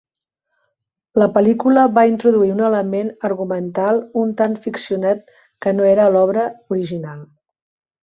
La pel·lícula va introduir un element argumental un tant ficcionat que no era a l'obra original.